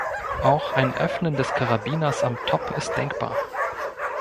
Auch ein Öffnen des Karabiners am Top ist denkbar.